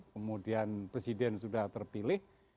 kemudian presiden sudah terpilih